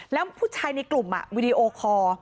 แล้วผู้ชายในกลุ่มวีดีโอคอร์